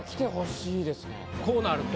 こうなると。